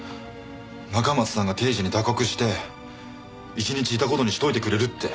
中松さんが定時に打刻して一日いた事にしておいてくれるって。